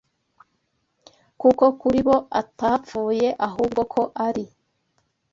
kuko kuri bo atapfuye, ahubwo ko ari